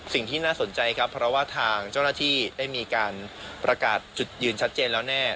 สิ่งที่น่าสนใจครับเพราะว่าทางเจ้าหน้าที่ได้มีการประกาศจุดยืนชัดเจนแล้วแน่